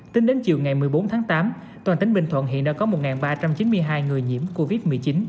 tính đến chiều ngày một mươi bốn tháng tám toàn tỉnh bình thuận hiện đã có một ba trăm chín mươi hai người nhiễm covid một mươi chín